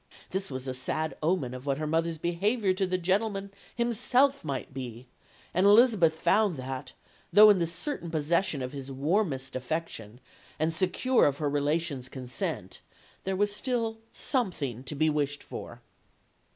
"This was a sad omen of what her mother's behaviour to the gentleman himself might be; and Elizabeth found that, though in the certain possession of his warmest affection, and secure of her relations' consent, there was still something to be wished for."